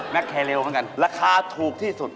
มหละแขระเลวเหมือนกันราคาถูกที่สุด